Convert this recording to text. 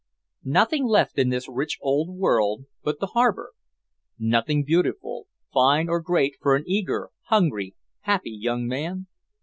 Nothing left in this rich old world but the harbor? Nothing beautiful, fine or great for an eager, hungry, happy young man?